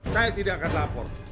saya tidak akan lapor